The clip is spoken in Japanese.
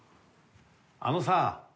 あのさ。